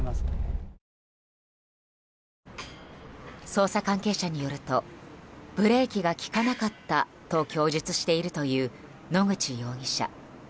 捜査関係者によるとブレーキが利かなかったと供述しているという野口容疑者。